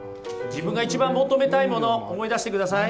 自分が一番求めたいもの思い出してください。